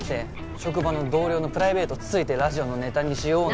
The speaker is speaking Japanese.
職場の同僚のプライベートつついてラジオのネタにしようなんて。